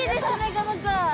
この子。